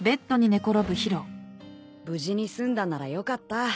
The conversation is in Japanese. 無事に済んだならよかった。